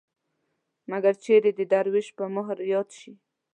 مګر چېرې د دروېش په مهر ياد شي